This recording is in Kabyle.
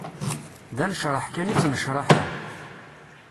D anecreḥ kan i ttnecraḥeɣ.